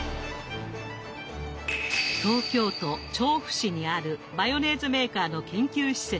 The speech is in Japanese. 東京都調布市にあるマヨネーズメーカーの研究施設。